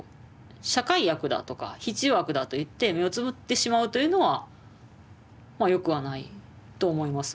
社会悪だとか必要悪だといって目をつむってしまうというのはまあよくはないと思います。